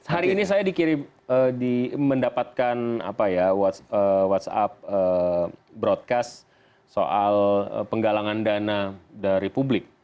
hari ini saya dikirim mendapatkan whatsapp broadcast soal penggalangan dana dari publik